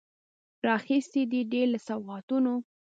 راخیستي یې دي، ډیر له سوغاتونو